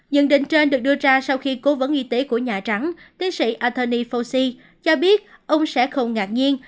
nhận định trên được đưa ra sau khi cố vấn y tế của nhà trắng tiến sĩ anthony fauci cho biết ông sẽ không ngạc nhiên